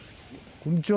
こんにちは。